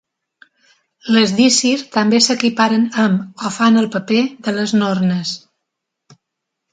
Les dísir també s'equiparen amb o fan el paper de les nornes.